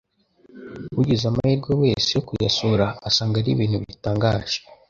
Ugize amahirwe wese yo kuyasura asanga ari ibintu bitangaje.